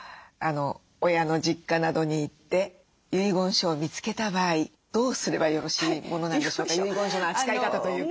親の実家などに行って遺言書を見つけた場合どうすればよろしいものなんでしょうか。